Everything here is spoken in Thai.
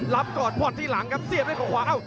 รับกอดพอร์ตที่หลังครับเสียบด้วยของขวา